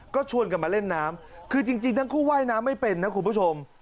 ก็ชวนกันมาเล่นน้ำคือจริงทั้งคู่ว่ายน้ำไม่เป็นนะคุณผู้ชม